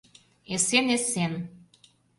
Эсен-эсен.